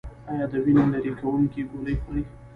ایا د وینې نری کوونکې ګولۍ خورئ؟